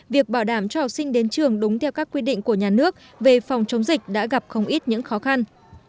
việc bảo đảm cho học sinh đến trường đúng theo các quy định của nhà nước về phòng chống dịch đã gặp không ít những khó khăn